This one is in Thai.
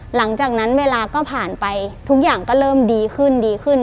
หลังจากนั้นเวลาก็ผ่านไปทุกอย่างก็เริ่มดีขึ้นดีขึ้น